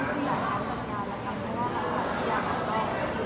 อเรนนี่ว่าที่เต็มประกาศเหมือนกันนะครับ